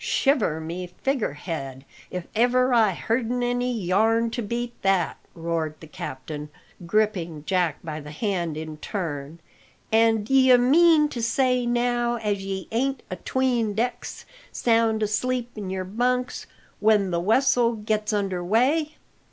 "Shiver my figger head if ever I hear'd any yarn to beat that!" roared the captain, gripping Jack by the hand in turn. "An' d'ye mean to say now, as ye ain't atween decks, sound asleep in your bunks, when the wessel gets under weigh?"